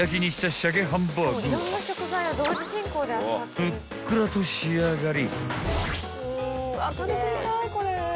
［ふっくらと仕上がり］